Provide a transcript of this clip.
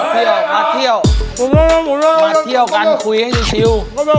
มาเที่ยวกล่าดเที่ยวการคุยให้ชิล๔